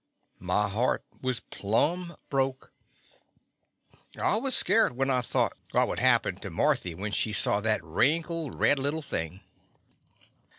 My heart was plumb broke. I was scairt when I thought what would happen to Mar thy when she saw that wrinkled, red little thing.